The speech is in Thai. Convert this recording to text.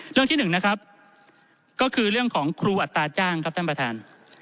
เรื่องที่หนึ่งนะครับก็คือเรื่องของครูอัตราจ้างครับท่านประธาน